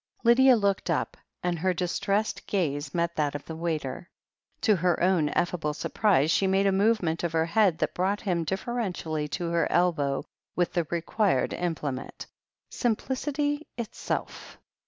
Lydia looked up, and her distressed gaze met that of a waiter. To her own effable surprise, she made a movement of her head that brought him deferentially to her elbow with the required implement. Simplicity itself!